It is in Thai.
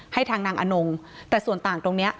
ให้ทางนางอนงแต่ส่วนต่างตรงนี้